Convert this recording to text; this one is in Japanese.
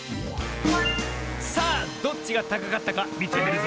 さあどっちがたかかったかみてみるぞ。